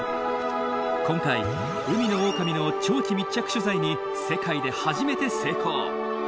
今回海のオオカミの長期密着取材に世界で初めて成功！